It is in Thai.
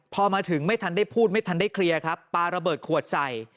พอมาถึงไม่ทันได้พูดไม่ทันได้เคลียร์ครับปลาระเบิดขวดใส่